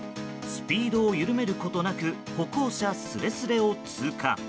スピードを緩めることなく歩行者すれすれを通過。